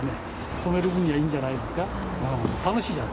染める分にはいいんじゃないですか。